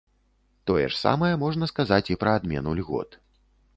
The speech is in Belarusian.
Тое ж самае можна сказаць і пра адмену льгот.